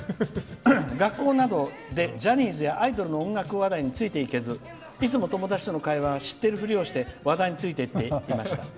学校などでジャニーズやアイドルの音楽話題についていけずいつも友達との会話は知ってるふりをして話題についていっていました。